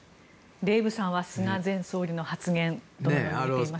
デーブさんは菅前総理の発言をどのように見ていますか。